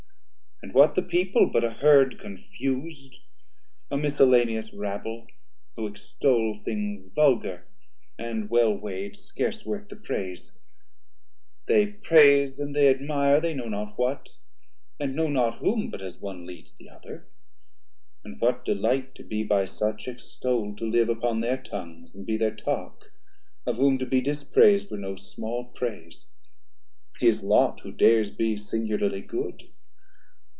And what the people but a herd confus'd, A miscellaneous rabble, who extol 50 Things vulgar, & well weigh'd, scarce worth the praise, They praise and they admire they know not what; And know not whom, but as one leads the other; And what delight to be by such extoll'd, To live upon thir tongues and be thir talk, Of whom to be disprais'd were no small praise? His lot who dares be singularly good.